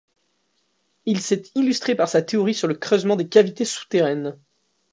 Il s’est illustré par sa théorie sur le creusement des cavités souterraines.